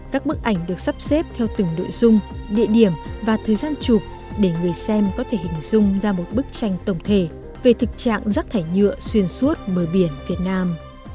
các bức ảnh được sắp xếp theo từng nội dung địa điểm và thời gian chụp để người xem có thể hình dung ra một bức tranh tổng thể về thực trạng rác thải nhựa xuyên suốt mờ biển việt nam